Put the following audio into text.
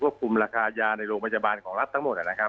คุมราคายาในโรงพยาบาลของรัฐทั้งหมดนะครับ